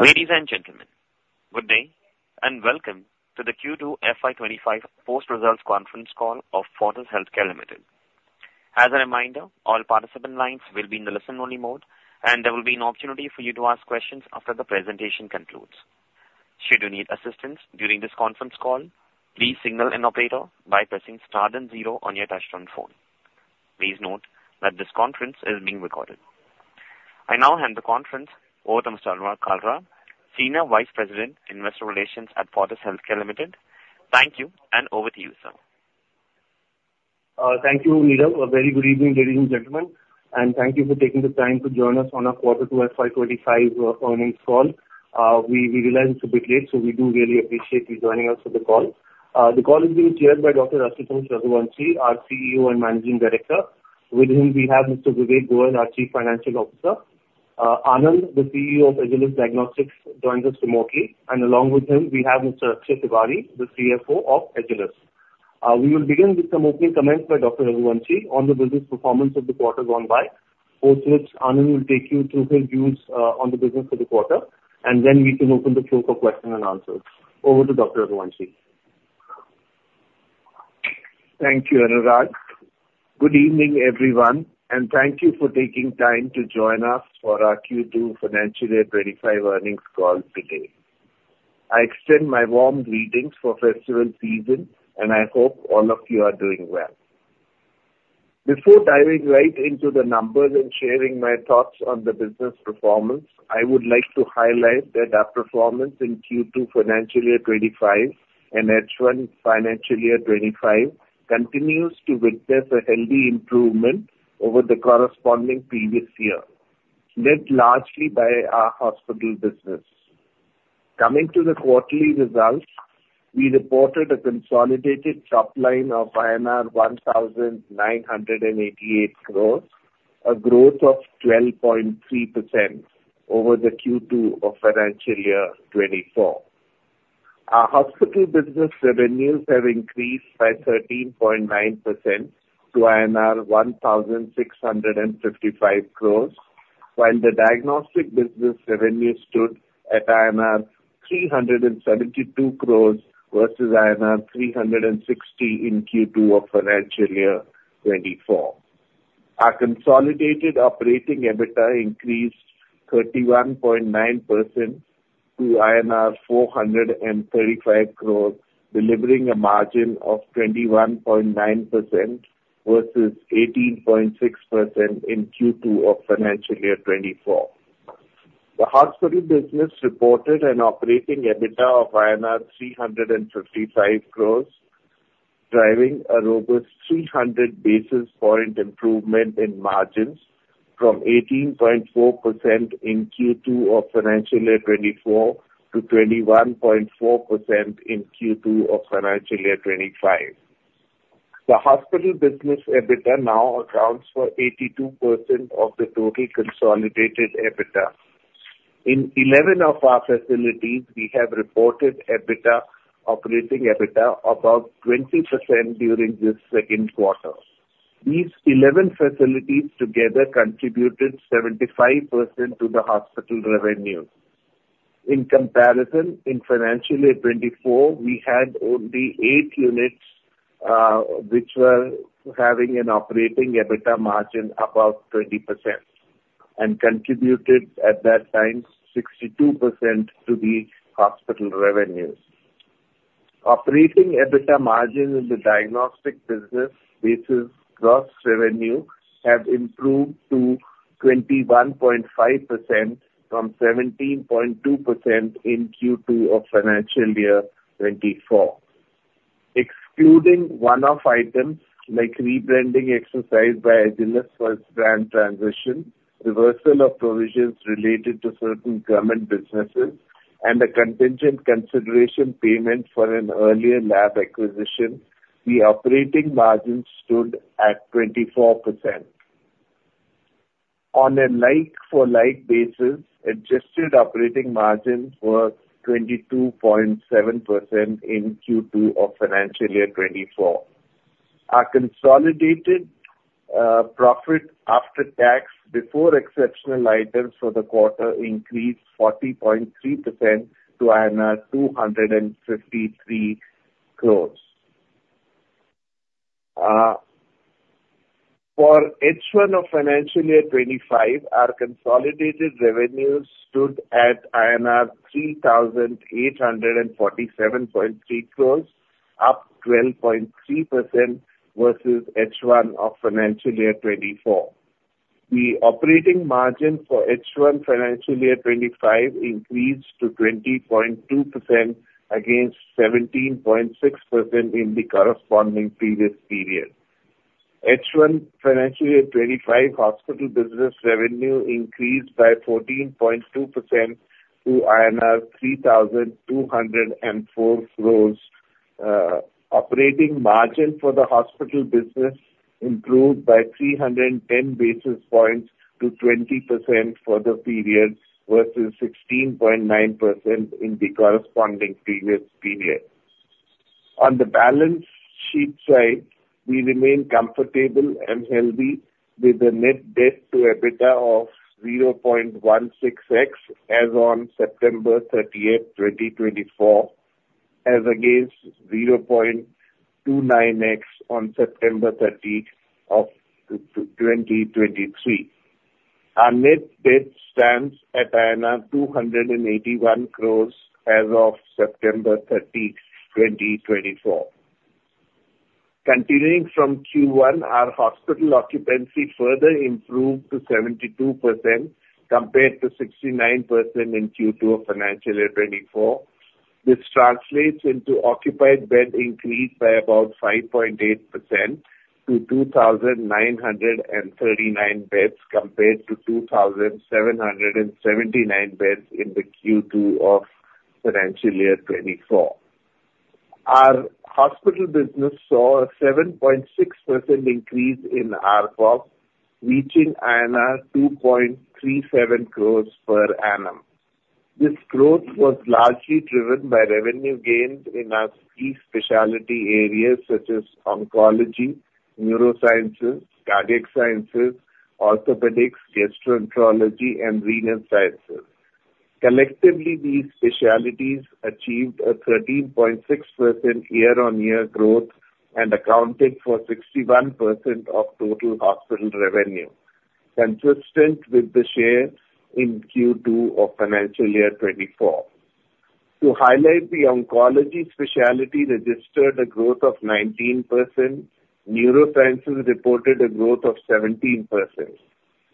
Ladies and gentlemen, good day and welcome to the Q2 FY25 Post-results Conference Call of Fortis Healthcare Limited. As a reminder, all participant lines will be in the listen-only mode, and there will be an opportunity for you to ask questions after the presentation concludes. Should you need assistance during this conference call, please signal an operator by pressing star then zero on your touch-tone phone. Please note that this conference is being recorded. I now hand the conference over to Mr. Kalra, Senior Vice President, Investor Relations at Fortis Healthcare Limited. Thank you, and over to you, sir. Thank you, Neelam. A very good evening, ladies and gentlemen, and thank you for taking the time to join us on our quarter to FY25 earnings call. We realize it's a bit late, so we do really appreciate you joining us for the call. The call is being chaired by Dr. Ashutosh Raghuvanshi, our CEO and Managing Director. With him, we have Mr. Vivek Goyal, our Chief Financial Officer. Anand, the CEO of Agilus Diagnostics, joins us remotely, and along with him, we have Mr. Akshay Tiwari, the CFO of Agilus. We will begin with some opening comments by Dr. Raghuvanshi on the business performance of the quarter gone by, for which Anand will take you through his views on the business for the quarter, and then we can open the floor for questions and answers. Over to Dr. Raghuvanshi. Thank you, Anurag. Good evening, everyone, and thank you for taking time to join us for our Q2 Financial Year 25 earnings call today. I extend my warm greetings for the festival season, and I hope all of you are doing well. Before diving right into the numbers and sharing my thoughts on the business performance, I would like to highlight that our performance in Q2 Financial Year 25 and H1 Financial Year 25 continues to witness a healthy improvement over the corresponding previous year, led largely by our hospital business. Coming to the quarterly results, we reported a consolidated top line of INR 1,988 crore, a growth of 12.3% over the Q2 of Financial Year 24. Our hospital business revenues have increased by 13.9% to INR 1,655 crore, while the diagnostic business revenue stood at INR 372 crore versus INR 360 in Q2 of Financial Year 24. Our consolidated operating EBITDA increased 31.9% to INR 435 crore, delivering a margin of 21.9% versus 18.6% in Q2 of Financial Year 24. The hospital business reported an operating EBITDA of INR 355 crore, driving a robust 300 basis point improvement in margins from 18.4% in Q2 of Financial Year 24 to 21.4% in Q2 of Financial Year 25. The hospital business EBITDA now accounts for 82% of the total consolidated EBITDA. In 11 of our facilities, we have reported operating EBITDA above 20% during this Q2. These 11 facilities together contributed 75% to the hospital revenue. In comparison, in Financial Year 24, we had only eight units which were having an operating EBITDA margin above 20% and contributed at that time 62% to the hospital revenue. Operating EBITDA margin in the diagnostic business basis gross revenue have improved to 21.5% from 17.2% in Q2 of Financial Year 24. Excluding one-off items like rebranding exercise by Agilus for its brand transition, reversal of provisions related to certain government businesses, and the contingent consideration payment for an earlier lab acquisition, the operating margin stood at 24%. On a like-for-like basis, adjusted operating margin was 22.7% in Q2 of Financial Year 24. Our consolidated profit after tax before exceptional items for the quarter increased 40.3% to INR 253 crore. For H1 of Financial Year 25, our consolidated revenues stood at INR 3,847.3 crore, up 12.3% versus H1 of Financial Year 24. The operating margin for H1 Financial Year 25 increased to 20.2% against 17.6% in the corresponding previous period. H1 Financial Year 25 hospital business revenue increased by 14.2% to INR 3,204 crore. Operating margin for the hospital business improved by 310 basis points to 20% for the period versus 16.9% in the corresponding previous period. On the balance sheet side, we remain comfortable and healthy with a net debt to EBITDA of 0.16x as on September 30, 2024, as against 0.29x on September 30, 2023. Our net debt stands at 281 crore as of September 30, 2024. Continuing from Q1, our hospital occupancy further improved to 72% compared to 69% in Q2 of Financial Year 24. This translates into occupied bed increase by about 5.8% to 2,939 beds compared to 2,779 beds in the Q2 of Financial Year 24. Our hospital business saw a 7.6% increase in ARPOB, reaching INR 2.37 crore per annum. This growth was largely driven by revenue gained in our key specialty areas such as oncology, neurosciences, cardiac sciences, orthopedics, gastroenterology, and renal sciences. Collectively, these specialties achieved a 13.6% year-on-year growth and accounted for 61% of total hospital revenue, consistent with the share in Q2 of Financial Year 24. To highlight, the oncology specialty registered a growth of 19%. Neurosciences reported a growth of 17%.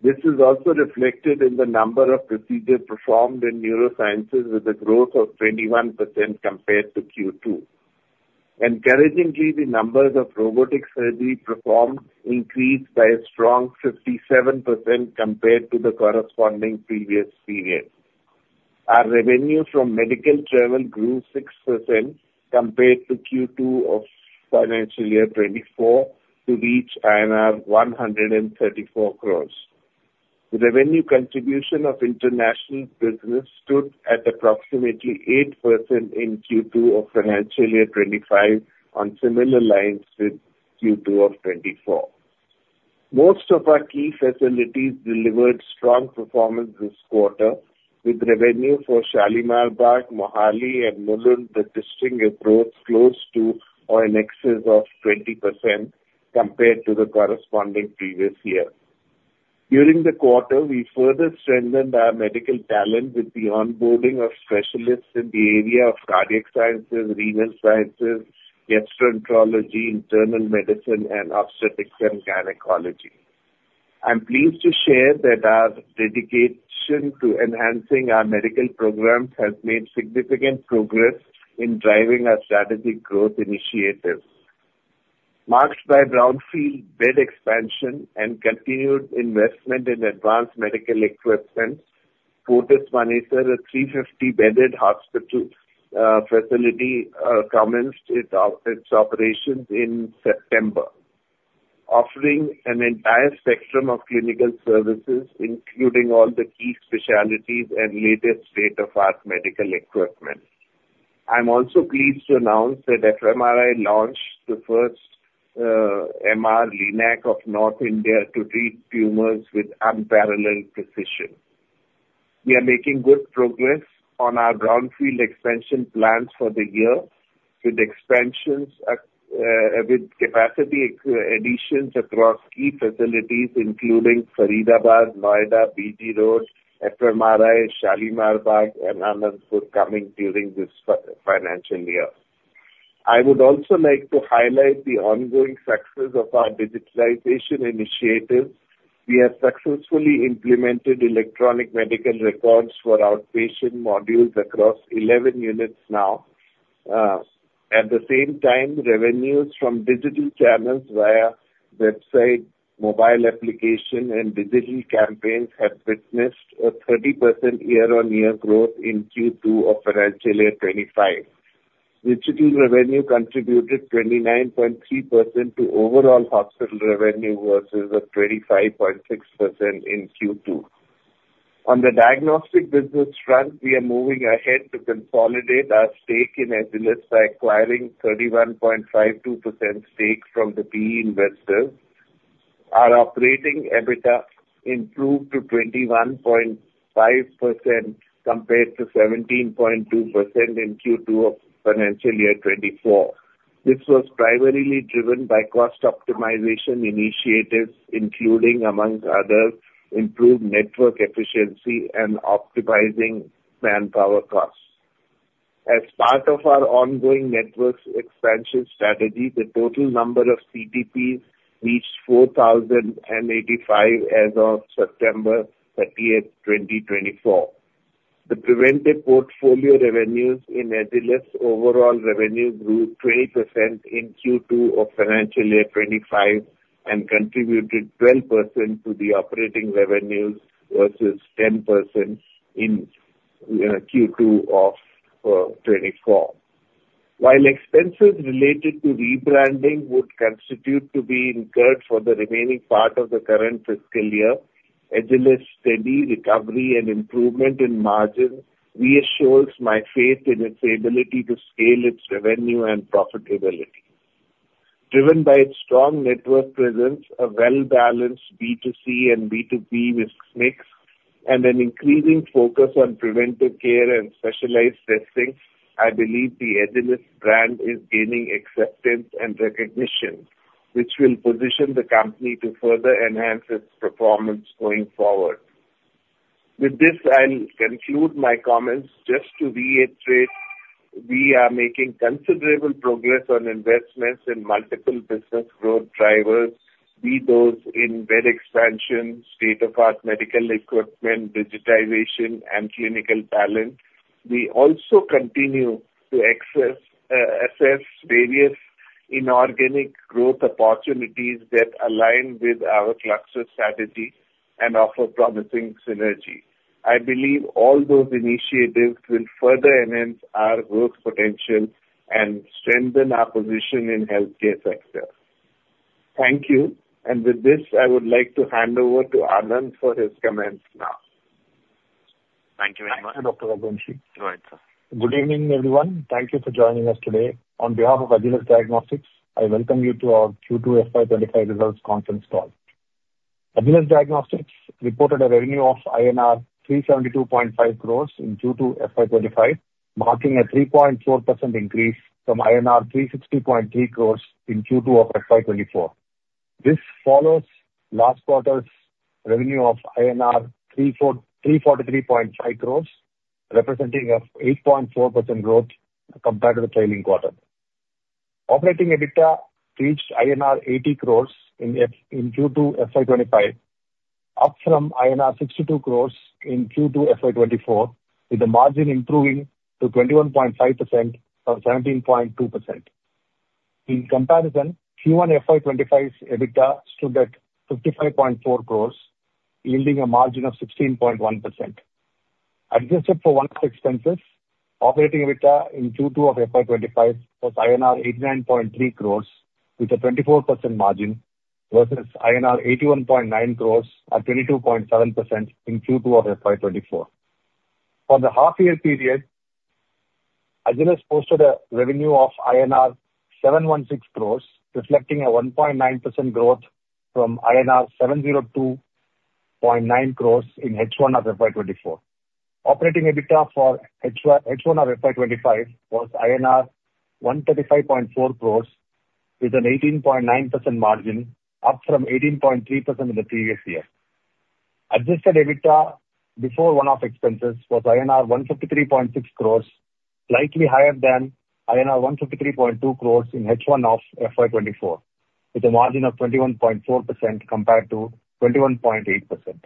This is also reflected in the number of procedures performed in neurosciences, with a growth of 21% compared to Q2. Encouragingly, the numbers of robotic surgery performed increased by a strong 57% compared to the corresponding previous period. Our revenue from medical travel grew 6% compared to Q2 of Financial Year 2024 to reach INR 134 crore. The revenue contribution of international business stood at approximately 8% in Q2 of Financial Year 2025, on similar lines with Q2 of 2024. Most of our key facilities delivered strong performance this quarter, with revenue for Shalimar Bagh, Mohali, and Mulund districts growth close to or in excess of 20% compared to the corresponding previous year. During the quarter, we further strengthened our medical talent with the onboarding of specialists in the area of cardiac sciences, renal sciences, gastroenterology, internal medicine, and obstetrics and gynecology. I'm pleased to share that our dedication to enhancing our medical programs has made significant progress in driving our strategic growth initiatives. Marked by brownfield bed expansion and continued investment in advanced medical equipment, Fortis Manesar, a 350-bedded hospital facility, commenced its operations in September, offering an entire spectrum of clinical services, including all the key specialties and latest state-of-the-art medical equipment. I'm also pleased to announce that FMRI launched the first MR Linac of North India to treat tumors with unparalleled precision. We are making good progress on our brownfield expansion plans for the year, with capacity additions across key facilities, including Faridabad, Noida, BG Road, FMRI, Shalimar Bagh, and Anandapur during this financial year. I would also like to highlight the ongoing success of our digitalization initiative. We have successfully implemented electronic medical records for outpatient modules across 11 units now. At the same time, revenues from digital channels via website, mobile application, and digital campaigns have witnessed a 30% year-on-year growth in Q2 of Financial Year 25. Digital revenue contributed 29.3% to overall hospital revenue versus 25.6% in Q2. On the diagnostic business front, we are moving ahead to consolidate our stake in Agilus by acquiring 31.52% stake from the PE investors. Our operating EBITDA improved to 21.5% compared to 17.2% in Q2 of Financial Year 24. This was primarily driven by cost optimization initiatives, including, among others, improved network efficiency and optimizing manpower costs. As part of our ongoing network expansion strategy, the total number of CTPs reached 4,085 as of September 30, 2024. The preventive portfolio revenues in Agilus' overall revenue grew 20% in Q2 of Financial Year 25 and contributed 12% to the operating revenues versus 10% in Q2 of 24. While expenses related to rebranding would constitute to be incurred for the remaining part of the current fiscal year, Agilus' steady recovery and improvement in margins reassures my faith in its ability to scale its revenue and profitability. Driven by its strong network presence, a well-balanced B2C and B2B mix, and an increasing focus on preventive care and specialized testing, I believe the Agilus brand is gaining acceptance and recognition, which will position the company to further enhance its performance going forward. With this, I'll conclude my comments. Just to reiterate, we are making considerable progress on investments in multiple business growth drivers, be those in bed expansion, state-of-the-art medical equipment, digitization, and clinical talent. We also continue to assess various inorganic growth opportunities that align with our cluster strategy and offer promising synergy. I believe all those initiatives will further enhance our growth potential and strengthen our position in the healthcare sector. Thank you, and with this, I would like to hand over to Anand for his comments now. Thank you very much, Dr. Raghuvanshi. Right, sir. Good evening, everyone. Thank you for joining us today. On behalf of Agilus Diagnostics, I welcome you to our Q2 FY25 Results Conference Call. Agilus Diagnostics reported a revenue of INR 372.5 crore in Q2 FY25, marking a 3.4% increase from INR 360.3 crore in Q2 of FY24. This follows last quarter's revenue of INR 343.5 crore, representing an 8.4% growth compared to the trailing quarter. Operating EBITDA reached INR 80 crore in Q2 FY25, up from INR 62 crore in Q2 FY24, with the margin improving to 21.5% from 17.2%. In comparison, Q1 FY25's EBITDA stood at 55.4 crore, yielding a margin of 16.1%. Adjusted for one-off expenses, operating EBITDA in Q2 of FY25 was INR 89.3 crore, with a 24% margin, versus INR 81.9 crore, at 22.7% in Q2 of FY24. For the half-year period, Agilus posted a revenue of INR 716 crore, reflecting a 1.9% growth from INR 702.9 crore in H1 of FY24. Operating EBITDA for H1 of FY25 was INR 135.4 crore, with an 18.9% margin, up from 18.3% in the previous year. Adjusted EBITDA before one-off expenses was INR 153.6 crore, slightly higher than INR 153.2 crore in H1 of FY24, with a margin of 21.4% compared to 21.8%.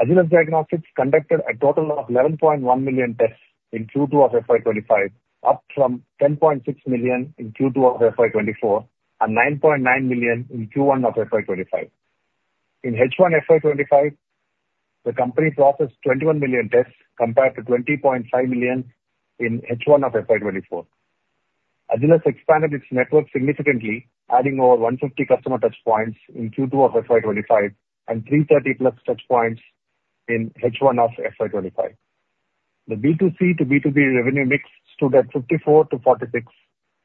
Agilus Diagnostics conducted a total of 11.1 million tests in Q2 of FY25, up from 10.6 million in Q2 of FY24 and 9.9 million in Q1 of FY25. In H1 FY25, the company processed 21 million tests compared to 20.5 million in H1 of FY24. Agilus expanded its network significantly, adding over 150 customer touchpoints in Q2 of FY25 and 330 plus touchpoints in H1 of FY25. The B2C to B2B revenue mix stood at 54 to 46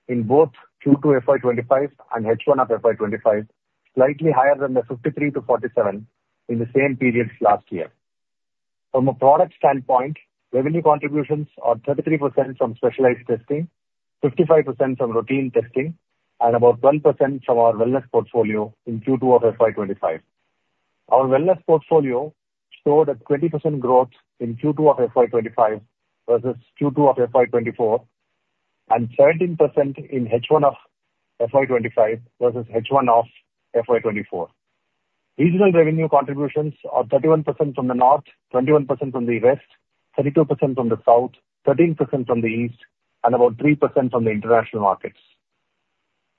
in both Q2 FY25 and H1 of FY25, slightly higher than the 53 to 47 in the same period last year. From a product standpoint, revenue contributions are 33% from specialized testing, 55% from routine testing, and about 12% from our wellness portfolio in Q2 of FY25. Our wellness portfolio showed a 20% growth in Q2 of FY25 versus Q2 of FY24, and 17% in H1 of FY25 versus H1 of FY24. Regional revenue contributions are 31% from the north, 21% from the west, 32% from the south, 13% from the east, and about 3% from the international markets.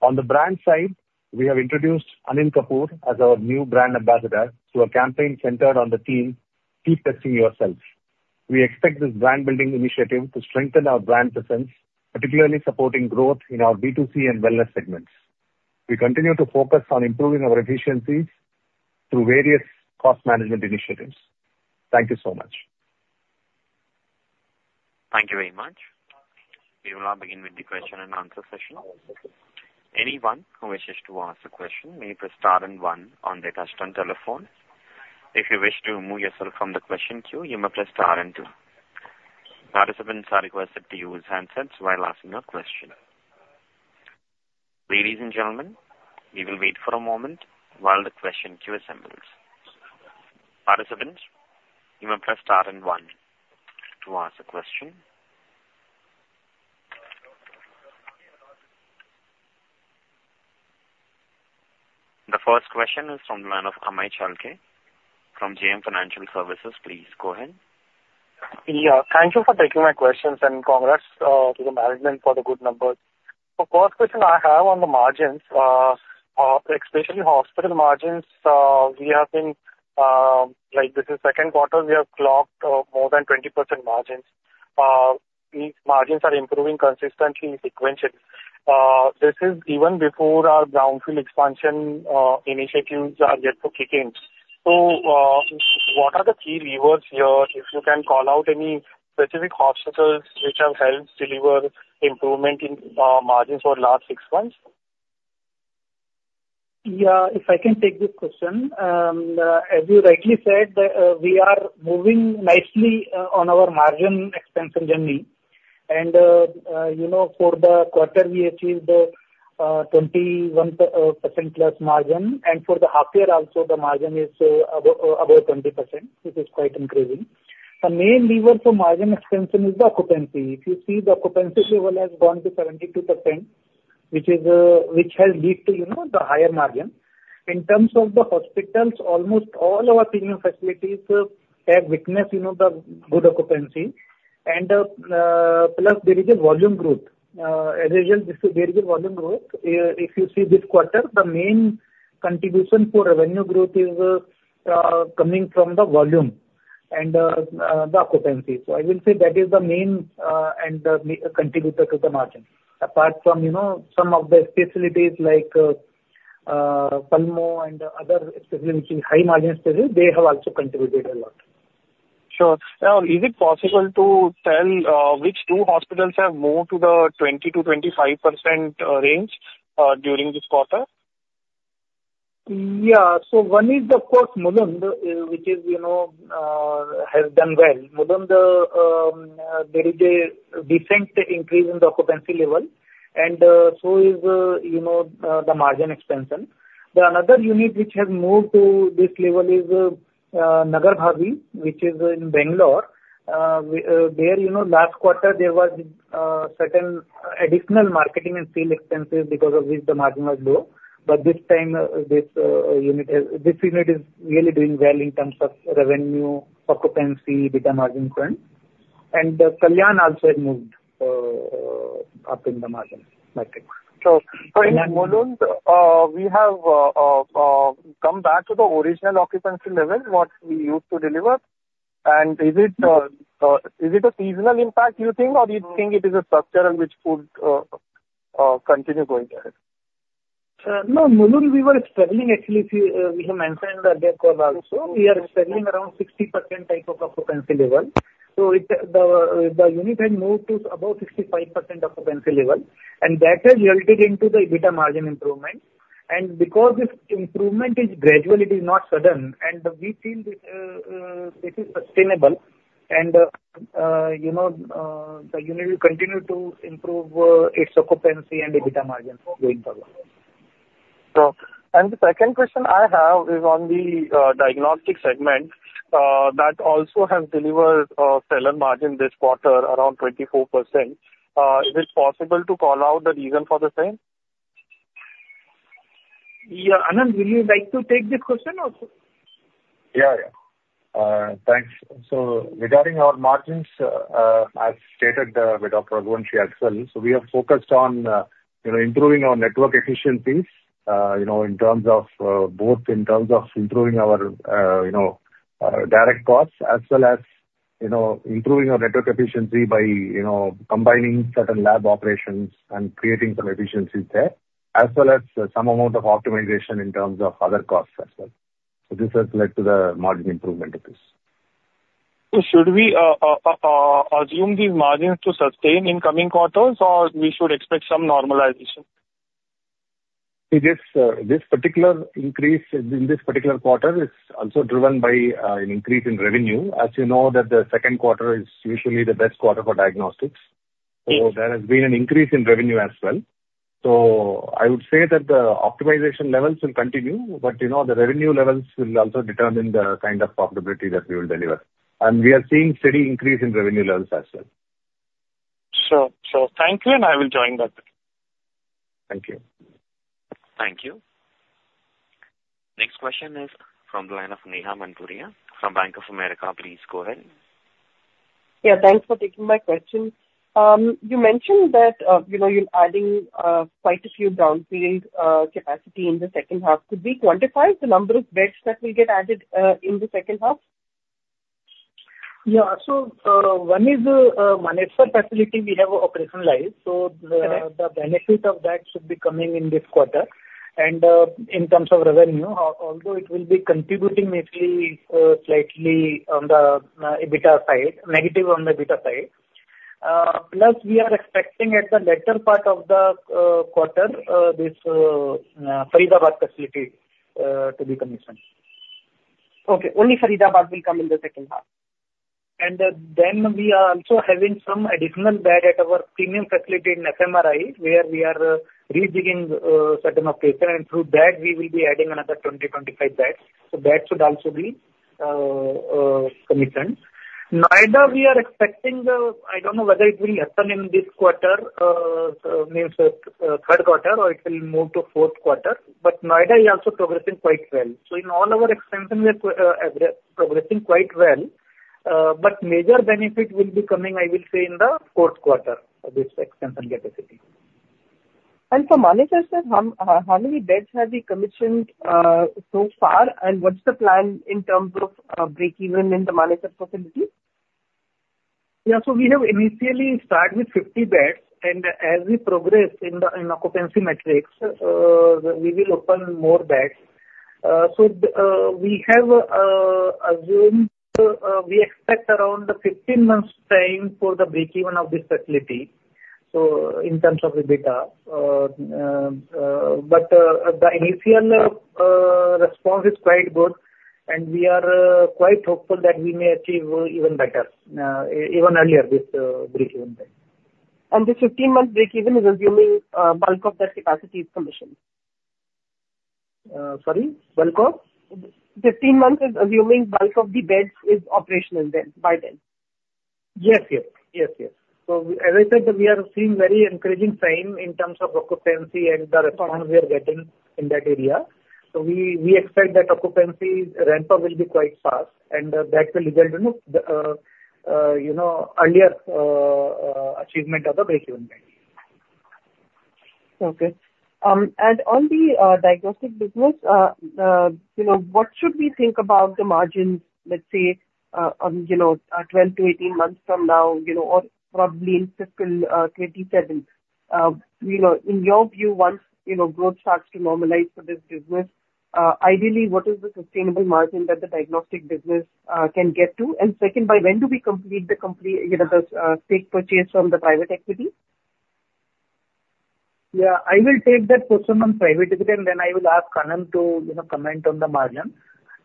On the brand side, we have introduced Ranbir Kapoor as our new brand ambassador to a campaign centered on the theme, "Keep Testing Yourself." We expect this brand-building initiative to strengthen our brand presence, particularly supporting growth in our B2C and wellness segments. We continue to focus on improving our efficiencies through various cost management initiatives. Thank you so much. Thank you very much. We will now begin with the question-and-answer session. Anyone who wishes to ask a question may press star and one on their touch-tone telephone. If you wish to remove yourself from the question queue, you may press star and two. Participants are requested to use handsets while asking a question. Ladies and gentlemen, we will wait for a moment while the question queue assembles. Participants, you may press star and one to ask a question. The first question is from the line of Amey Chalke from JM Financial. Please go ahead. Thank you for taking my questions, and congrats to the management for the good numbers. The first question I have on the margins, especially hospital margins, we have been, like this is Q2, we have clocked more than 20% margins. These margins are improving consistently. Sequential. This is even before our brownfield expansion initiatives are yet to kick in. So what are the key levers here? If you can call out any specific hospitals which have helped deliver improvement in margins for the last six months? Yeah, if I can take this question. As you rightly said, we are moving nicely on our margin expansion journey. For the quarter, we achieved 21% plus margin. For the half-year, also, the margin is about 20%, which is quite increasing. The main lever for margin expansion is the occupancy. If you see, the occupancy level has gone to 72%, which has led to the higher margin. In terms of the hospitals, almost all of our premium facilities have witnessed the good occupancy. Plus, there is a volume growth. As a result, there is a volume growth. If you see this quarter, the main contribution for revenue growth is coming from the volume and the occupancy. So I will say that is the main contributor to the margin. Apart from some of the facilities like and other facilities, which is high-margin facilities, they have also contributed a lot. Sure. Now, is it possible to tell which two hospitals have moved to the 20%-25% range during this quarter? Yeah. One is, of course, Mulund, which has done well. Mulund, there is a decent increase in the occupancy level, and so is the margin expansion. Then another unit which has moved to this level is Nagarbhavi, which is in Bangalore. There, last quarter, there was certain additional marketing and sale expenses because of which the margin was low. This time, this unit is really doing well in terms of revenue, occupancy, and margin trend. Kalyan also has moved up in the margin market. Sure. Mulund, we have come back to the original occupancy level, what we used to deliver. Is it a seasonal impact, you think, or do you think it is a structure which could continue going ahead? No, Mulund, we were struggling. Actually, we have mentioned that there also. We are struggling around 60% type of occupancy level. So the unit has moved to about 65% occupancy level. And that has yielded into the EBITDA margin improvement. And because this improvement is gradual, it is not sudden. And we feel this is sustainable. And the unit will continue to improve its occupancy and EBITDA margin going forward. Sure. And the second question I have is on the diagnostic segment that also has delivered stellar margin this quarter around 24%. Is it possible to call out the reason for the same? Yeah. Anand, will you like to take this question also? Yeah, yeah. Thanks. So regarding our margins, as stated by Dr. Raghuvanshi as well, so we have focused on improving our network efficiencies in terms of both in terms of improving our direct costs as well as improving our network efficiency by combining certain lab operations and creating some efficiencies there, as well as some amount of optimization in terms of other costs as well. So this has led to the margin improvement of this. So should we assume these margins to sustain in coming quarters, or we should expect some normalization? This particular increase in this particular quarter is also driven by an increase in revenue. As you know, the Q2 is usually the best quarter for diagnostics. So there has been an increase in revenue as well. So I would say that the optimization levels will continue, but the revenue levels will also determine the kind of profitability that we will deliver. We are seeing steady increase in revenue levels as well. Sure. So thank you, and I will join that. Thank you. Thank you. Next question is from the line of Neha Manpuria from Bank of America. Please go ahead. Yeah. Thanks for taking my question. You mentioned that you're adding quite a few brownfield capacity in the second half. Could we quantify the number of beds that will get added in the second half? Yeah. So one is the managed facility we have operationalized. So the benefit of that should be coming in this quarter. And in terms of revenue, although it will be contributing slightly on the EBITDA side, negative on the EBITDA side. Plus, we are expecting at the latter part of the quarter, this Faridabad facility to be commissioned. Okay. Only Faridabad will come in the second half. And then we are also having some additional bed at our premium facility in FMRI, where we are rejigging certain operations. And through that, we will be adding another 20, 25 beds. So that should also be commissioned. Noida, we are expecting. I don't know whether it will happen in this quarter, maybe Q3, or it will move to Q4. But Noida is also progressing quite well. So in all our expansion, we are progressing quite well. But major benefit will be coming, I will say, in the Q4 of this expansion capacity. And for Manesar Healthcare, how many beds have we commissioned so far, and what's the plan in terms of break-even in the Manesar Health facility? Yeah. So we have initially started with 50 beds. And as we progress in occupancy metrics, we will open more beds. So we have assumed we expect around 15 months' time for the break-even of this facility, so in terms of EBITDA. But the initial response is quite good, and we are quite hopeful that we may achieve even better, even earlier this break-even time. And this 15-month break-even is assuming bulk of that capacity is commissioned? Sorry? Bulk of? 15 months is assuming bulk of the beds is operational by then. Yes, yes. Yes, yes. So as I said, we are seeing very encouraging signs in terms of occupancy and the response we are getting in that area. So we expect that occupancy ramp-up will be quite fast, and that will result in earlier achievement of the break-even time. Okay. And on the diagnostic business, what should we think about the margins, let's say, 12-18 months from now or probably in fiscal 2027? In your view, once growth starts to normalize for this business, ideally, what is the sustainable margin that the diagnostic business can get to? And second, by when do we complete the stake purchase from the private equity? Yeah. I will take that question on private equity, and then I will ask Anand to comment on the margin.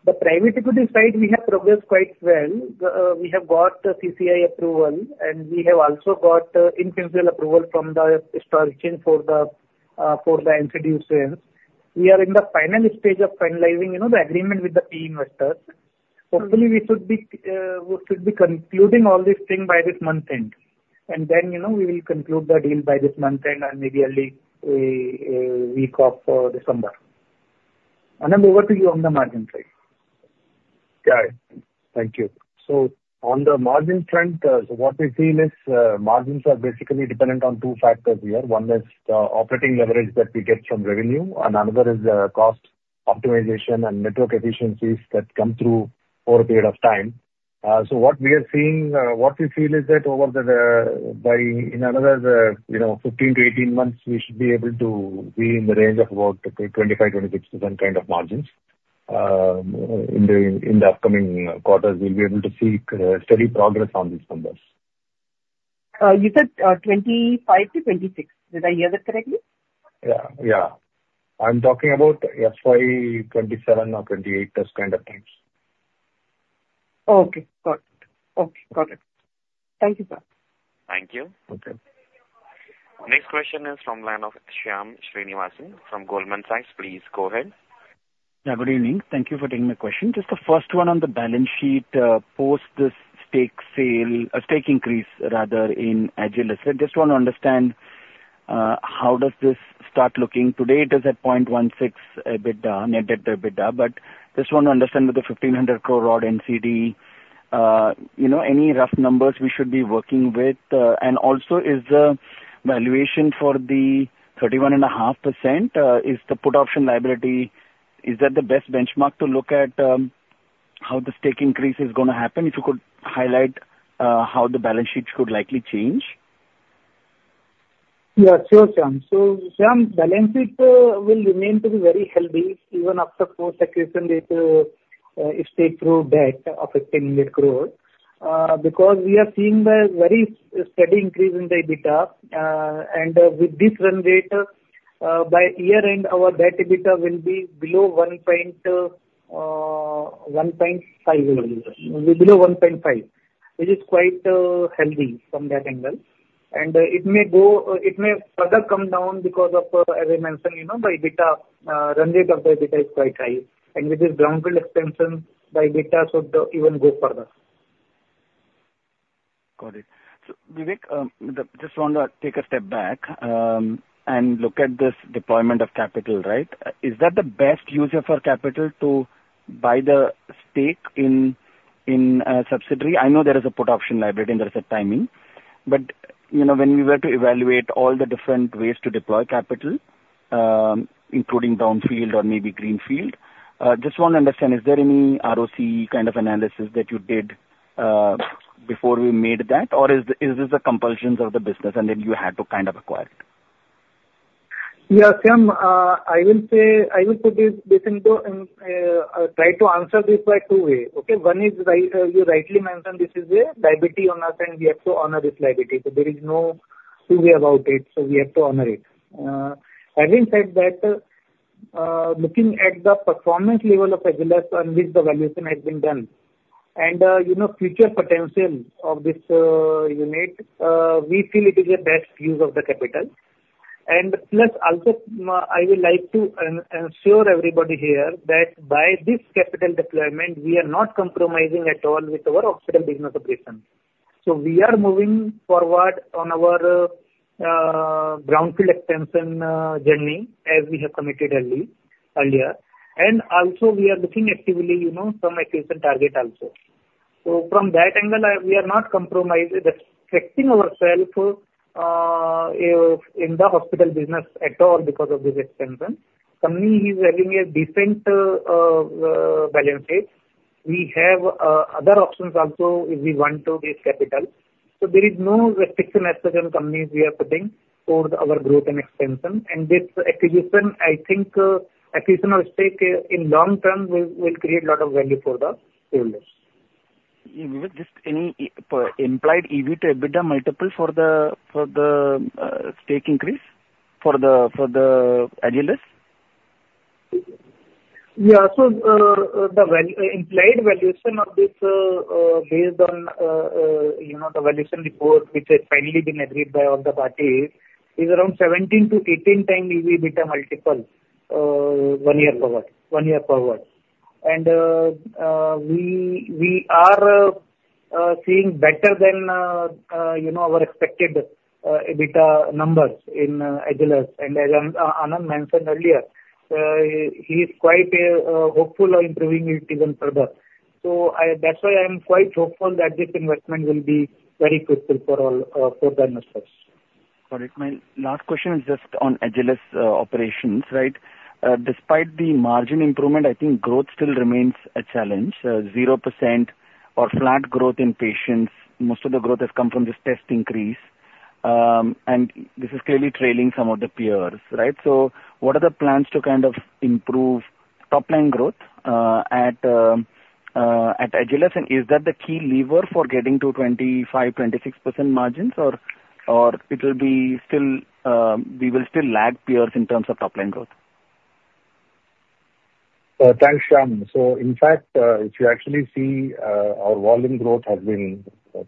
The private equity side, we have progressed quite well. We have got CCI approval, and we have also got NCLT approval from the stakeholders for the NCDs. We are in the final stage of finalizing the agreement with the key investors. Hopefully, we should be concluding all these things by this month's end. And then we will conclude the deal by this month's end and maybe early week of December. Anand, over to you on the margin side. Got it. Thank you. So on the margin front, what we feel is margins are basically dependent on two factors here. One is the operating leverage that we get from revenue, and another is the cost optimization and network efficiencies that come through over a period of time. So what we are seeing, what we feel is that over the, by in another 15 to 18 months, we should be able to be in the range of about 25%-26% kind of margins. In the upcoming quarters, we'll be able to see steady progress on these numbers. You said 25 to 26. Did I hear that correctly? Yeah, yeah. I'm talking about FY 2027 or 2028, those kind of times. Okay. Got it. Okay. Got it. Thank you, sir. Thank you. Okay. Next question is from line of Shyam Srinivasan from Goldman Sachs. Please go ahead. Yeah. Good evening. Thank you for taking my question. Just the first one on the balance sheet post this stake increase, rather, in Agilus. I just want to understand how does this start looking today? It is at 0.16 EBITDA, net debt to EBITDA. But just want to understand with the 1,500 crore NCD, any rough numbers we should be working with? And also, is the valuation for the 31.5%, is the put option liability, is that the best benchmark to look at how the stake increase is going to happen? If you could highlight how the balance sheet could likely change. Yeah. Sure, Shyam. So Shyam, balance sheet will remain to be very healthy even after post-acquisition of stake through debt of 1,500 crore. Because we are seeing a very steady increase in the EBITDA. With this run rate, by year-end, our debt EBITDA will be below 1.5, which is quite healthy from that angle. It may further come down because of, as I mentioned, the EBITDA run rate of the EBITDA is quite high. With this brownfield expansion, the EBITDA should even go further. Got it. Vivek, just want to take a step back and look at this deployment of capital, right? Is that the best use for capital to buy the stake in subsidiary? I know there is a put option liability and there is a timing. But when we were to evaluate all the different ways to deploy capital, including brownfield or maybe greenfield, just want to understand, is there any ROC kind of analysis that you did before we made that? Or is this a compulsion of the business, and then you had to kind of acquire it? Yeah. Shyam, I will say this and try to answer this two ways. Okay? One is you rightly mentioned this is a liability on us, and we have to honor this liability. So there is no two ways about it. So we have to honor it. Having said that, looking at the performance level of Agilus on which the valuation has been done, and future potential of this unit, we feel it is a best use of the capital. And plus, also, I would like to ensure everybody here that by this capital deployment, we are not compromising at all with our hospital business operation. So we are moving forward on our brownfield expansion journey as we have committed earlier. And also, we are looking actively from acquisition target also. From that angle, we are not compromising or restricting ourselves in the hospital business at all because of this expansion. The company is having a decent balance sheet. We have other options also if we want to raise capital. There is no restriction as such on capex we are putting for our growth and expansion. This acquisition, I think, acquisition of stake in the long term will create a lot of value for the shareholders. Any implied EBITDA multiples for the stake increase for Agilus? Yeah. The implied valuation of this based on the valuation report which has finally been agreed by all the parties is around 17-18 times EBITDA multiple one year forward. One year forward. We are seeing better than our expected EBITDA numbers in Agilus. As Anand mentioned earlier, he is quite hopeful of improving it even further. So that's why I'm quite hopeful that this investment will be very fruitful for the investors. Got it. My last question is just on Agilus operations, right? Despite the margin improvement, I think growth still remains a challenge. 0% or flat growth in patients. Most of the growth has come from this test increase. And this is clearly trailing some of the peers, right? So what are the plans to kind of improve top-line growth at Agilus? And is that the key lever for getting to 25%-26% margins, or it will be still we will still lag peers in terms of top-line growth? Thanks, Shyam. So in fact, if you actually see our volume growth has been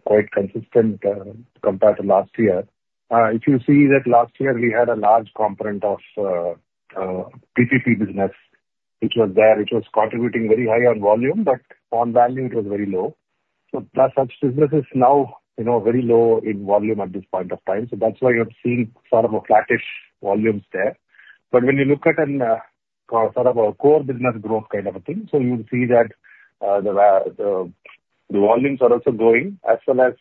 quite consistent compared to last year. If you see that last year, we had a large component of PPP business, which was there, which was contributing very high on volume, but on value, it was very low. So such business is now very low in volume at this point of time. So that's why you're seeing sort of a flattish volumes there. But when you look at sort of our core business growth kind of a thing, so you'll see that the volumes are also growing as well as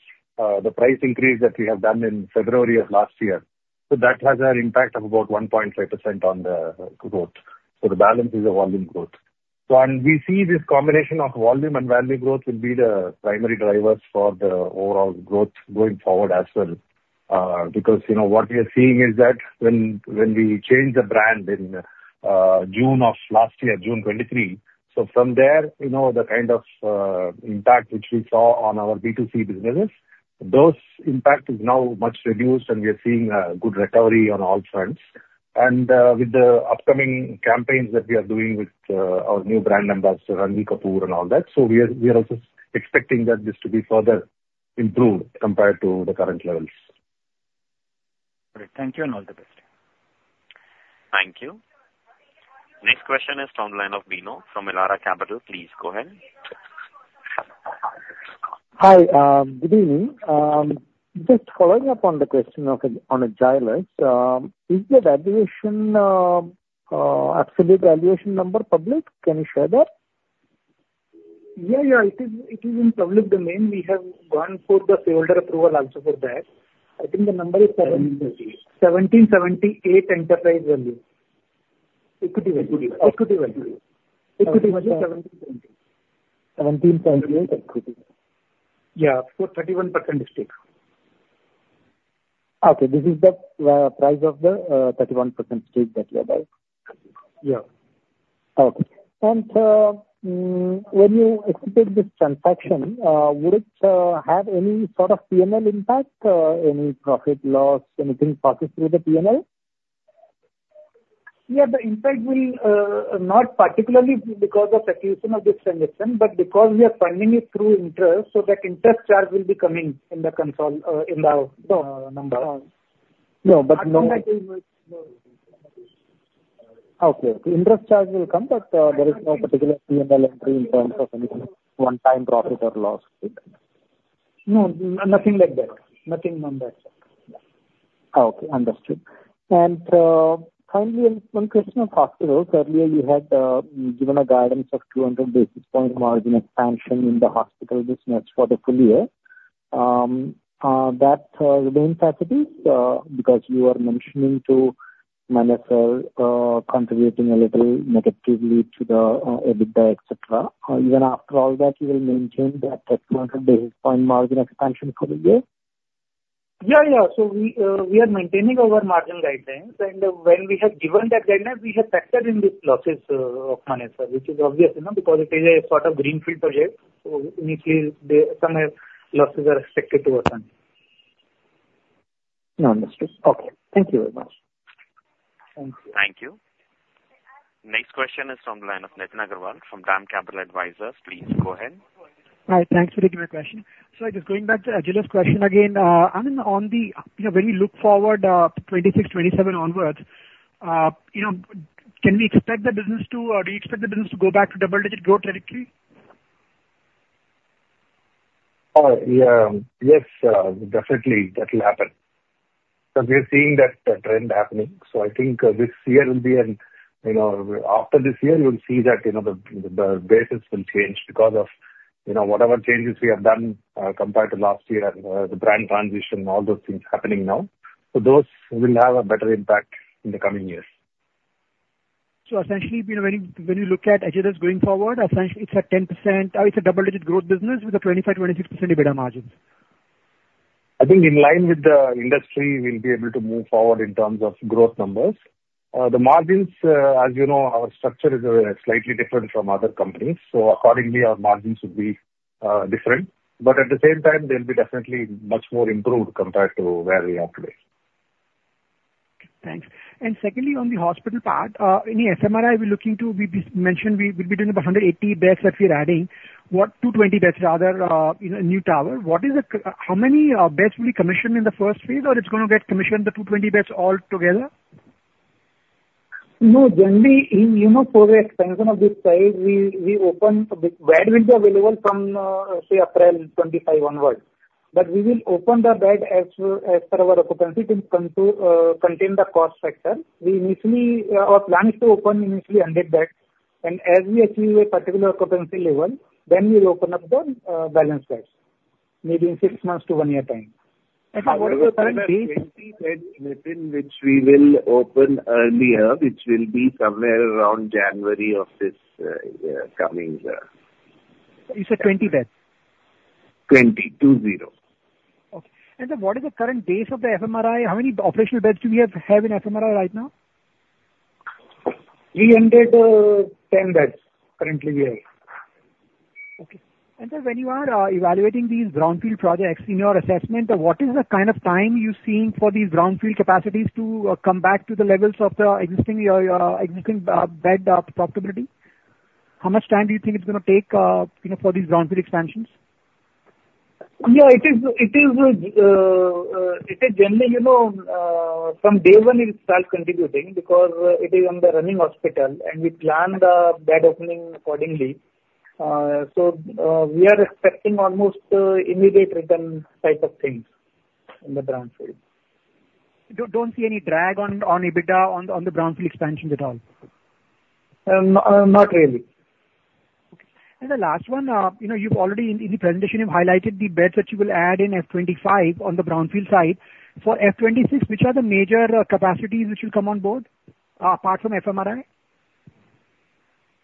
the price increase that we have done in February of last year. So that has an impact of about 1.5% on the growth. So the balance is the volume growth. So we see this combination of volume and value growth will be the primary drivers for the overall growth going forward as well. Because what we are seeing is that when we changed the brand in June of last year, June 23, so from there, the kind of impact which we saw on our B2C businesses, those impact is now much reduced, and we are seeing a good recovery on all fronts. With the upcoming campaigns that we are doing with our new brand ambassador, Ranbir Kapoor, and all that, so we are also expecting that this to be further improved compared to the current levels. Great. Thank you, and all the best. Thank you. Next question is from line of Bino from Elara Capital. Please go ahead. Hi. Good evening. Just following up on the question on Agilus, is the absolute valuation number public? Can you share that? Yeah, yeah. It is in public domain. We have gone for the shareholder approval also for that. I think the number is 1778 enterprise value. Equity value. Equity value. Equity value is 1778. 1778 equity. Yeah. For 31% stake. Okay. This is the price of the 31% stake that you are buying. Yeah. Okay. And when you execute this transaction, would it have any sort of P&L impact? Any profit loss, anything processed through the P&L? Yeah. The impact will not particularly be because of acquisition of this transaction, but because we are funding it through interest, so that interest charge will be coming in the consolidation number. No, but no. Okay. Okay. Interest charge will come, but there is no particular P&L entry in terms of any one-time profit or loss. No. Nothing like that. Nothing on that. Okay. Understood. And finally, one question on hospitals. Earlier, you had given a guidance of 200 basis points margin expansion in the hospital business for the full year. That remains as it is because you are mentioning to Manesar contributing a little negatively to the EBITDA, etc. Even after all that, you will maintain that 200 basis points margin expansion for the year? Yeah, yeah. So we are maintaining our margin guidelines. And when we have given that guideline, we have factored in these losses of Manesar, which is obvious because it is a sort of greenfield project. So initially, some losses are expected to occur. Understood. Okay. Thank you very much. Thank you. Thank you. Next question is from line of Nitin Agarwal from DAM Capital Advisors. Please go ahead. Hi. Thanks for taking my question. So just going back to Agilus question again, Anand, on the, when you look forward 2026, 2027 onwards, can we expect the business to or do you expect the business to go back to double-digit growth territory? Yes. Definitely. That will happen. Because we are seeing that trend happening. I think this year will be an outlier. After this year, you'll see that the basis will change because of whatever changes we have done compared to last year, the brand transition, all those things happening now. Those will have a better impact in the coming years. Essentially, when you look at Agilus going forward, essentially, it's 10%; it's a double-digit growth business with a 25%-26% EBITDA margin. I think in line with the industry, we'll be able to move forward in terms of growth numbers. The margins, as you know, our structure is slightly different from other companies. Accordingly, our margins would be different, but at the same time, they'll be definitely much more improved compared to where we are today. Thanks. And secondly, on the hospital part, any FMRI we're looking to, we mentioned we'll be doing about 180 beds that we're adding. What 220 beds, rather, new tower, what is the how many beds will be commissioned in Phase I, or it's going to get commissioned, the 220 beds altogether? No. Generally, for the expansion of this side, we open bed will be available from, say, April 25 onwards. But we will open the bed as per our occupancy to contain the cost factor. We initially our plan is to open initially 100 beds. And as we achieve a particular occupancy level, then we'll open up the balance beds maybe in six months to one year time. And what is the current base? Within which we will open earlier, which will be somewhere around January of this coming year. You said 20 beds? 20. 2-0. Okay. And what is the current base of the FMRI? How many operational beds do we have in FMRI right now? 310 beds currently we have. Okay. And when you are evaluating these brownfield projects, in your assessment, what is the kind of time you're seeing for these brownfield capacities to come back to the levels of the existing bed profitability? How much time do you think it's going to take for these brownfield expansions? Yeah. It is generally from day one it is self-sustainability because it is on the running hospital, and we plan the bed opening accordingly. So we are expecting almost immediate return type of things in the brownfield. Don't see any drag on EBITDA on the brownfield expansions at all? Not really. Okay. And the last one, you've already in the presentation, you've highlighted the beds that you will add in F25 on the brownfield side. For F26, which are the major capacities which will come on board apart from FMRI?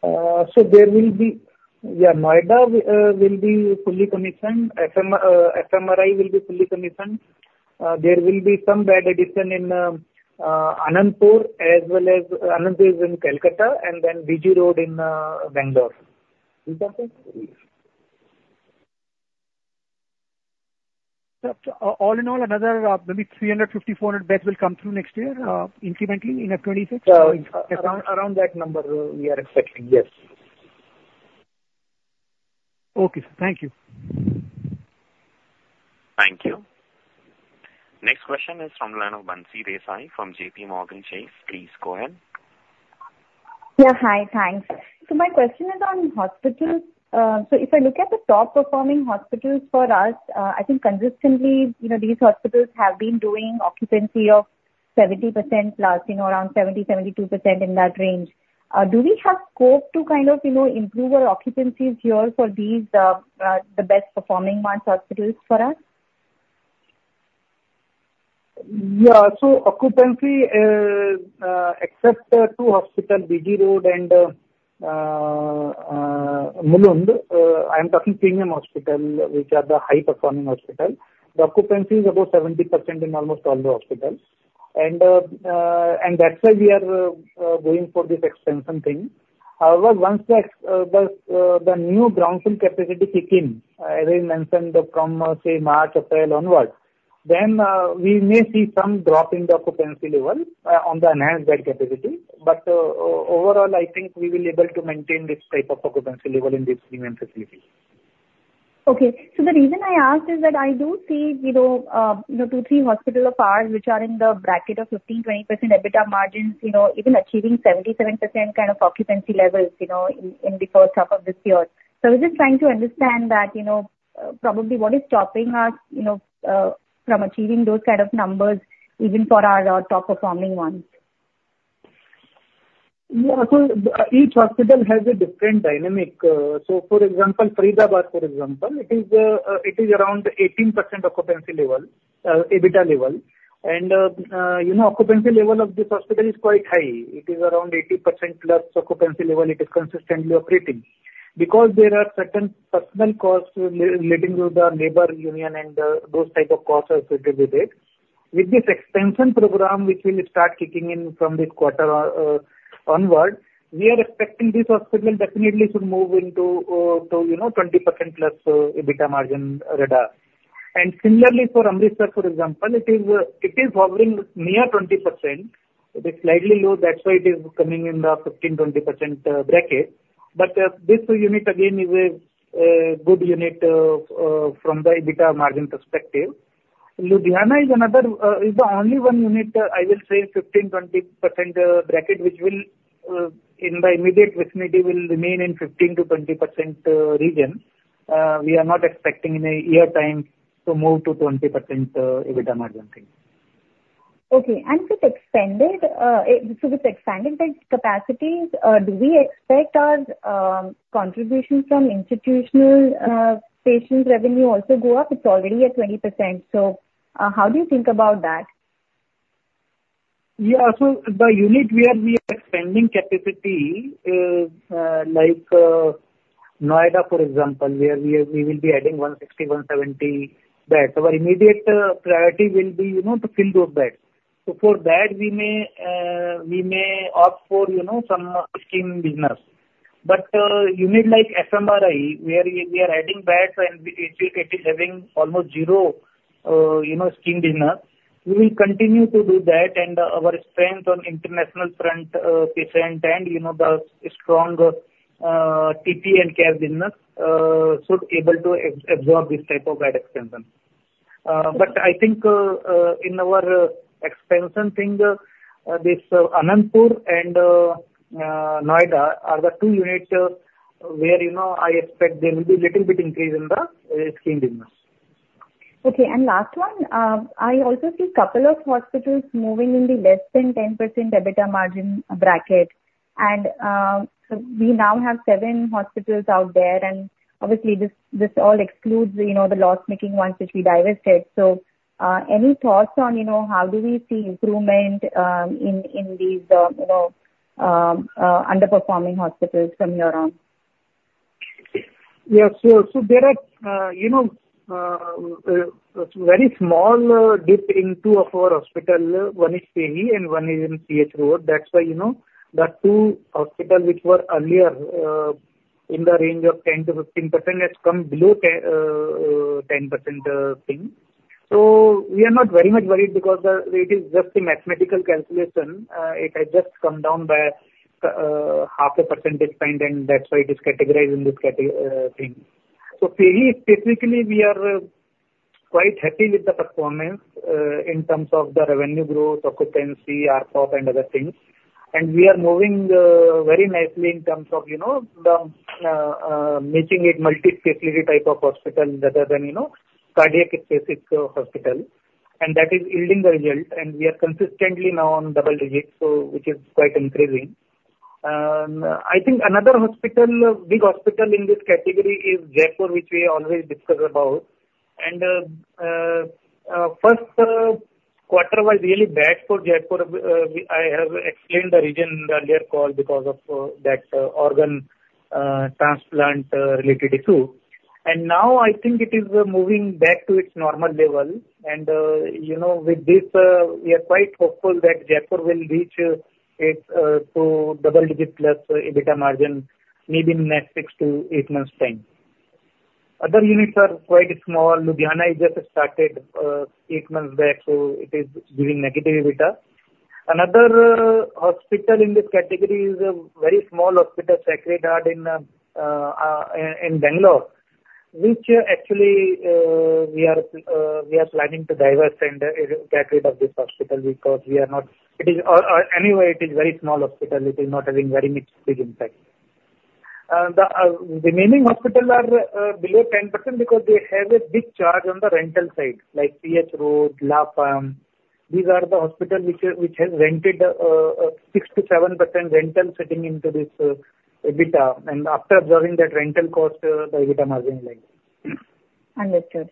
So there will be Noida will be fully commissioned. FMRI will be fully commissioned. There will be some bed addition in Anandapur as well as Anandapur is in Calcutta, and then BG Road in Bangalore. All in all, another maybe 350-400 beds will come through next year incrementally in F26? Around that number we are expecting, yes. Okay. Thank you. Thank you. Next question is from the line of Bansi Desai from JP Morgan Chase. Please go ahead. Yeah. Hi. Thanks. So my question is on hospitals. So if I look at the top-performing hospitals for us, I think consistently these hospitals have been doing occupancy of 70% plus, around 70%-72% in that range. Do we have scope to kind of improve our occupancies here for the best-performing ones, hospitals for us? Yeah. Occupancy, except two hospitals, BG Road and Mulund, I'm talking premium hospital, which are the high-performing hospitals. The occupancy is about 70% in almost all the hospitals. And that's why we are going for this expansion thing. However, once the new brownfield capacity kick in, as I mentioned, from, say, March, April onwards, then we may see some drop in the occupancy level on the enhanced bed capacity. But overall, I think we will be able to maintain this type of occupancy level in these premium facilities. Okay. So the reason I asked is that I do see two, three hospitals of ours which are in the bracket of 15%-20% EBITDA margins, even achieving 77% kind of occupancy levels in the first half of this year. I was just trying to understand that probably what is stopping us from achieving those kind of numbers, even for our top-performing ones? Yeah. Each hospital has a different dynamic. For example, Faridabad, for example, it is around 18% occupancy level, EBITDA level. The occupancy level of this hospital is quite high. It is around 80% plus. The occupancy level it is consistently operating. Because there are certain personnel costs relating to the labor union and those type of costs associated with it. With this expansion program, which will start kicking in from this quarter onward, we are expecting this hospital definitely should move into 20% plus EBITDA margin radar. Similarly, for Amritsar, for example, it is hovering near 20%. It is slightly low. That's why it is coming in the 15%-20% bracket. But this unit, again, is a good unit from the EBITDA margin perspective. Ludhiana is another, the only one unit, I will say, 15%-20% bracket, which will, in the immediate vicinity, remain in 15%-20% region. We are not expecting in a year time to move to 20% EBITDA margin thing. Okay. And for this expanded bed capacities, do we expect our contribution from institutional patient revenue also go up? It's already at 20%. So how do you think about that? Yeah. So the unit where we are extending capacity, like Noida, for example, where we will be adding 160-170 beds. Our immediate priority will be to fill those beds. So for that, we may opt for some scheme business. But unit like SMRI, where we are adding beds and it is having almost zero scheme business, we will continue to do that. Our strength on international front patient and the strong TPA and care business should be able to absorb this type of bed expansion. But I think in our expansion thing, this Anandapur and Noida are the two units where I expect there will be a little bit increase in the scheme business. Okay. And last one, I also see a couple of hospitals moving in the less than 10% EBITDA margin bracket. And we now have seven hospitals out there. And obviously, this all excludes the loss-making ones which we divested. So any thoughts on how do we see improvement in these underperforming hospitals from here on? Yes. So there are very small dip in two of our hospitals, one is FEHI and one is in Cunningham Road. That's why the two hospitals which were earlier in the range of 10%-15% have come below 10% thing. We are not very much worried because it is just a mathematical calculation. It has just come down by half a percentage point, and that's why it is categorized in this thing, so FEHI, specifically, we are quite happy with the performance in terms of the revenue growth, occupancy, RCOP, and other things, and we are moving very nicely in terms of matching it multi-specialty type of hospital rather than cardiac-specific hospital. And that is yielding the result, and we are consistently now on double digits, which is quite increasing. I think another hospital, big hospital in this category, is Jaipur, which we always discuss about, and Q1 was really bad for Jaipur. I have explained the reason in the earlier call because of that organ transplant-related issue, and now I think it is moving back to its normal level. With this, we are quite hopeful that Jaipur will reach its double-digit plus EBITDA margin maybe in the next six to eight months' time. Other units are quite small. Ludhiana is just started eight months back, so it is giving negative EBITDA. Another hospital in this category is a very small hospital, Sacred Heart in Bangalore, which actually we are planning to divest and get rid of this hospital because we are not anyway, it is a very small hospital. It is not having very much big impact. The remaining hospitals are below 10% because they have a big charge on the rental side, like CH Road, La Femme. These are the hospitals which have rented 6%-7% rental sitting into this EBITDA. And after absorbing that rental cost, the EBITDA margin like. Understood.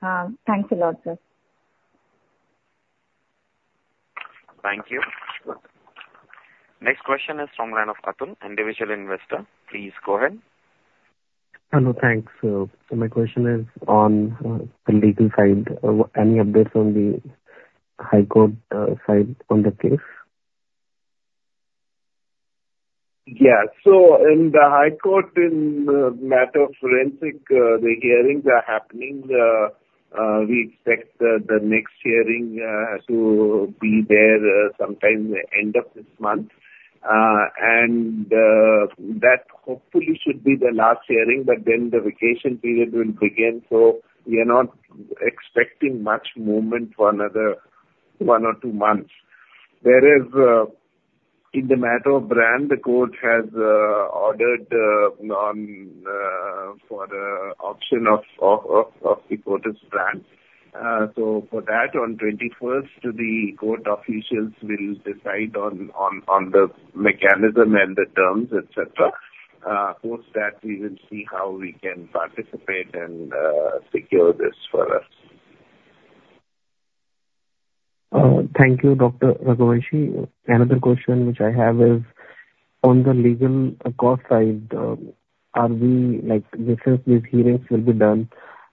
Thanks a lot, sir. Thank you. Next question is from the line of Kathun, individual investor. Please go ahead. Hello. Thanks. So my question is on the legal side. Any updates on the High Court side on the case? Yeah. So in the High Court, in the matter of Fortis, the hearings are happening. We expect the next hearing to be there sometime end of this month. And that hopefully should be the last hearing, but then the vacation period will begin. So we are not expecting much movement for another one or two months. Whereas in the matter of land, the court has ordered for auction of the court’s land. So for that, on 21st, the court officials will decide on the mechanism and the terms, etc. Post that, we will see how we can participate and secure this for us. Thank you, Dr. Raghuvanshi. Another question which I have is on the legal cost side. Are we? This is these hearings will be done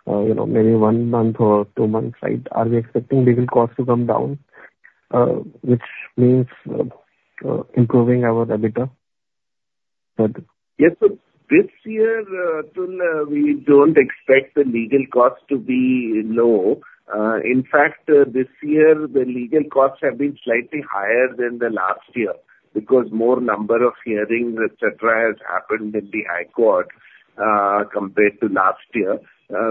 maybe one month or two months, right? Are we expecting legal costs to come down, which means improving our EBITDA? Yes, so this year, we don't expect the legal costs to be low. In fact, this year, the legal costs have been slightly higher than the last year because more number of hearings, etc., has happened in the High Court compared to last year.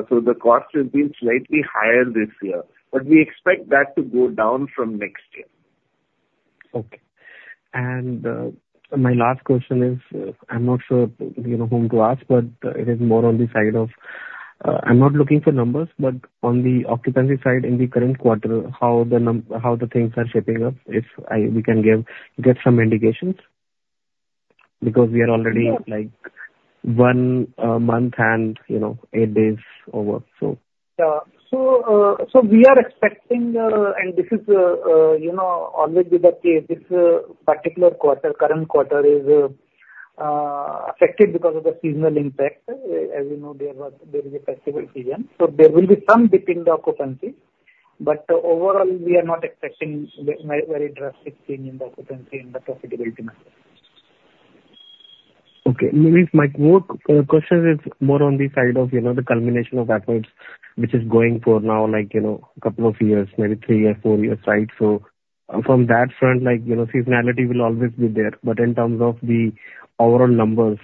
So the cost has been slightly higher this year, but we expect that to go down from next year. Okay, and my last question is, I'm not sure whom to ask, but it is more on the side of. I'm not looking for numbers, but on the occupancy side in the current quarter, how the things are shaping up, if we can get some indications? Because we are already one month and eight days over, so. Yeah. So we are expecting, and as is always the case, this particular quarter, the current quarter is affected because of the seasonal impact. As you know, there is a festival season. So there will be some dip in the occupancy. But overall, we are not expecting very drastic change in the occupancy and the profitability matter. Okay. Maybe my question is more on the side of the culmination of efforts, which is going on for now a couple of years, maybe three or four years, right? So from that front, seasonality will always be there. But in terms of the overall numbers,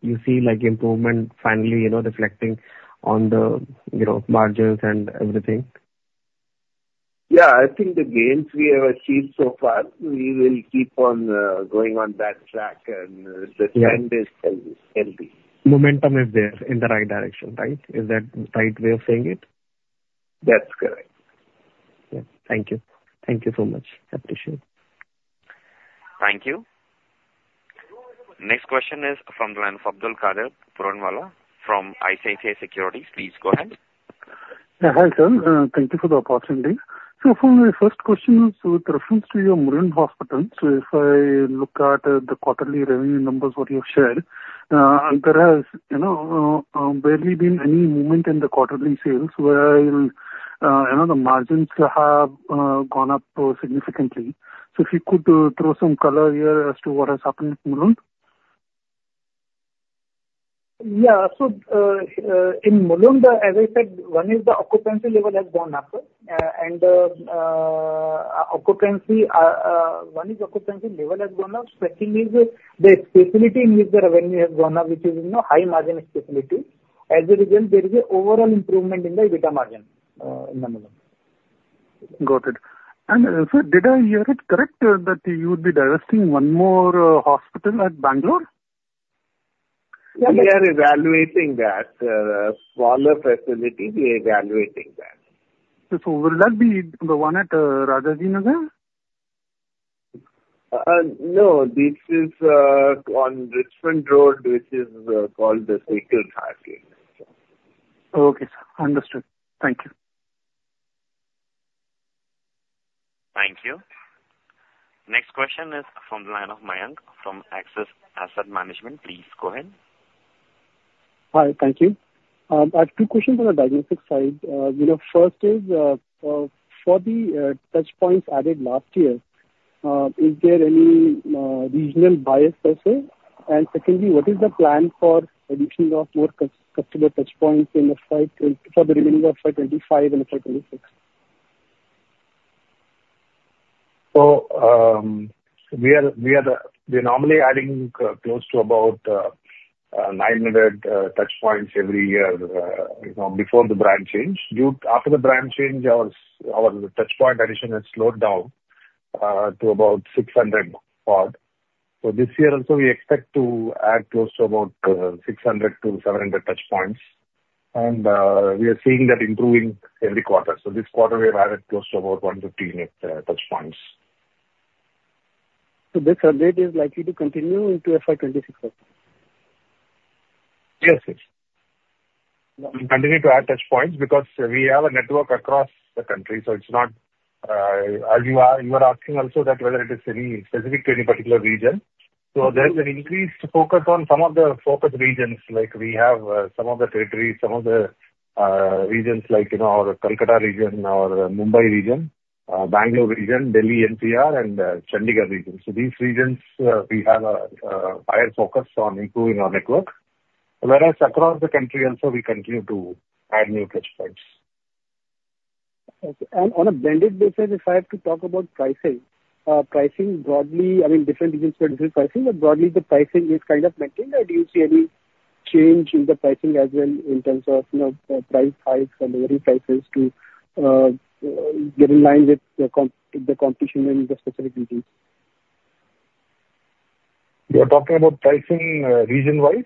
you see improvement finally reflecting on the margins and everything? Yeah. I think the gains we have achieved so far, we will keep on going on that track, and the trend is healthy. Momentum is there in the right direction, right? Is that the right way of saying it? That's correct. Yeah. Thank you. Thank you so much. I appreciate it. Thank you. Next question is from the line of Abdulkader Puranwala from ICICI Securities. Please go ahead. Yeah. Hi, sir. Thank you for the opportunity. So for my first question, with reference to your Mulund hospital, so if I look at the quarterly revenue numbers that you have shared, there has barely been any movement in the quarterly sales, whereas the margins have gone up significantly. So if you could throw some color here as to what has happened at Mulund? Yeah. So in Mulund, as I said, one is the occupancy level has gone up. Second is the facility in which the revenue has gone up, which is high-margin facility. As a result, there is an overall improvement in the EBITDA margin in the Mulund. Got it. Sir, did I hear it correct that you would be divesting one more hospital at Bangalore? We are evaluating that. Smaller facility, we are evaluating that. So will that be the one at Rajajinagar? No. This is on Richmond Road, which is called the Sacred Heart. Okay, sir. Understood. Thank you. Thank you. Next question is from line of Mayank from Axis Asset Management. Please go ahead. Hi. Thank you. I have two questions on the diagnostic side. First is, for the touchpoints added last year, is there any regional bias per se? And secondly, what is the plan for addition of more customer touchpoints for the remainder of FY25 and FY26? So we are normally adding close to about 900 touchpoints every year before the brand change. After the brand change, our touchpoint addition has slowed down to about 600 odd. So this year, we expect to add close to about 600 to 700 touchpoints. And we are seeing that improving every quarter. So this quarter, we have added close to about 115 touchpoints. So this update is likely to continue into FY26? Yes, sir. We continue to add touchpoints because we have a network across the country. So it's not you are asking also that whether it is specific to any particular region. So there's an increased focus on some of the focus regions. We have some of the territories, some of the regions like our Kolkata region, our Mumbai region, Bangalore region, Delhi NCR, and Chandigarh region. So these regions, we have a higher focus on improving our network. Whereas across the country, also, we continue to add new touchpoints. On a blended basis, if I have to talk about pricing, pricing broadly, I mean, different regions for different pricing, but broadly, the pricing is kind of maintained? Or do you see any change in the pricing as well in terms of price hikes and delivery prices to get in line with the competition in the specific regions? You're talking about pricing region-wise?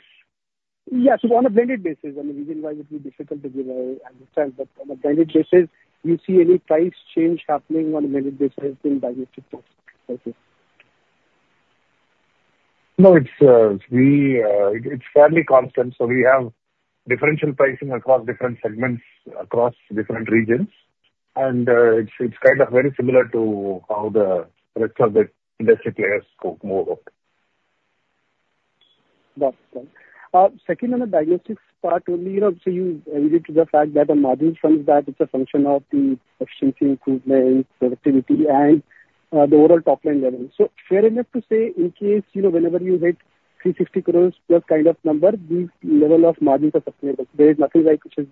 Yeah. So on a blended basis, I mean, region-wise, it will be difficult to give a hypothesis. But on a blended basis, do you see any price change happening on a blended basis in diagnostic prices? No, it's fairly constant. So we have differential pricing across different segments, across different regions. It's kind of very similar to how the rest of the industry players go more. Got it. Got it. Second, on the diagnostics part, only so you alluded to the fact that the margins from that; it's a function of the efficiency improvement, productivity, and the overall top-line level. So fair enough to say, in case whenever you hit 350 crores plus kind of number, this level of margins are sustainable. There is nothing like which is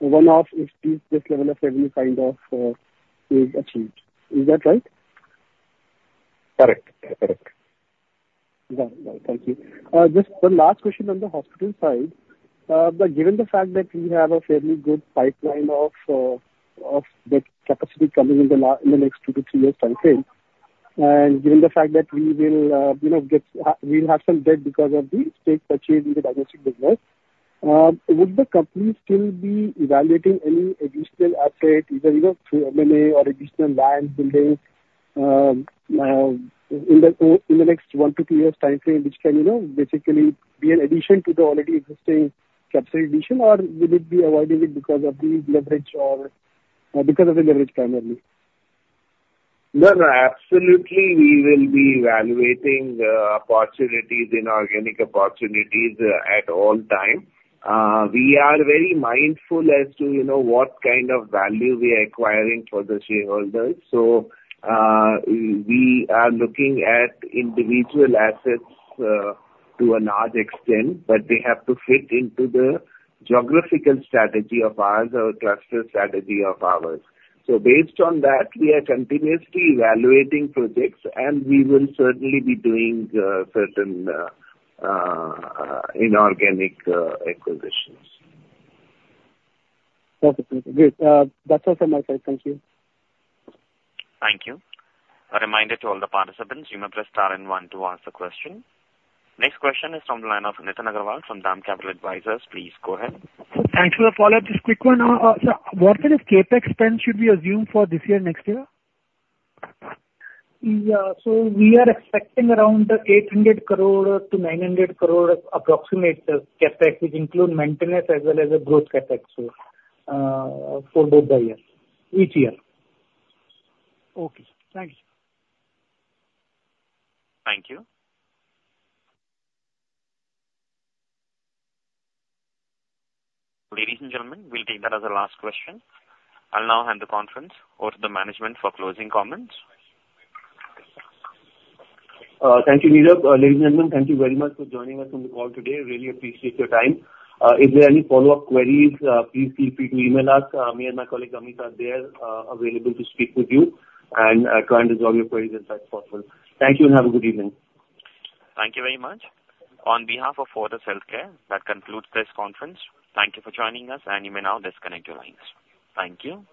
one-off if this level of revenue kind of is achieved. Is that right? Correct. Correct. Got it. Got it. Thank you. Just one last question on the hospital side. Given the fact that we have a fairly good pipeline of bed capacity coming in the next two to three years' timeframe, and given the fact that we'll have some debt because of the stake purchase in the diagnostic business, would the company still be evaluating any additional asset, either through M&A or additional land buildings in the next one to two years' timeframe, which can basically be an addition to the already existing capital addition, or will it be avoiding it because of the leverage or because of the leverage primarily? No, no. Absolutely, we will be evaluating organic opportunities at all times. We are very mindful as to what kind of value we are acquiring for the shareholders. So we are looking at individual assets to a large extent, but they have to fit into the geographical strategy of ours or cluster strategy of ours. So based on that, we are continuously evaluating projects, and we will certainly be doing certain inorganic acquisitions. Perfect. Perfect. Good. That's all from my side. Thank you. Thank you. A reminder to all the participants, you may press star and one to ask a question. Next question is from line of Nitin Agarwal from DAM Capital Advisors. Please go ahead. Thanks for the follow-up. Just quick one. Sir, what kind of CapEx spend should we assume for this year and next year? Yeah. So we are expecting around 800 crore to 900 crore approximate CapEx, which includes maintenance as well as a growth CapEx for both the years, each year. Okay. Thank you. Thank you. Ladies and gentlemen, we'll take that as a last question. I'll now hand the conference over to the management for closing comments. Thank you, Neerav. Ladies and gentlemen, thank you very much for joining us on the call today. Really appreciate your time. If there are any follow-up queries, please feel free to email us. Me and my colleague, Amit, are there available to speak with you and try and resolve your queries as best possible. Thank you and have a good evening. Thank you very much. On behalf of Fortis Healthcare, that concludes this conference. Thank you for joining us, and you may now disconnect your lines. Thank you.